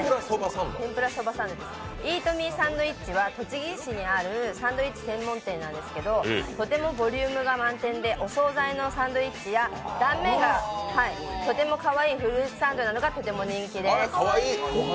ｅａｔｍｅｓａｎｄｗｉｃｈは栃木市にあるサンドイッチ専門店なんですけど、とてもボリュームが満点でお総菜のサンドイッチや断面がとてもかわいいフルーツサンドなどがとても人気です。